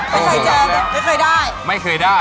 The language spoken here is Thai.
ไม่เคยเจอไม่เคยได้